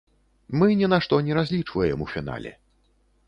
Мы ні на што не разлічваем у фінале.